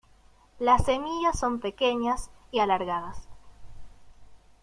Las semillas son pequeñas y alargadas.